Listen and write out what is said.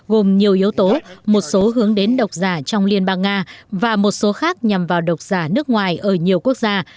gồm nhiều yếu tố một số hướng đến độc giả trong liên bang nga và một số khác nhằm vào độc giả nước ngoài ở nhiều quốc gia